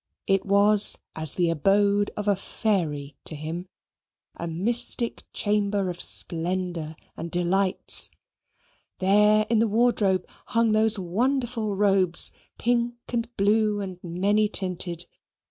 It was as the abode of a fairy to him a mystic chamber of splendour and delights. There in the wardrobe hung those wonderful robes pink and blue and many tinted.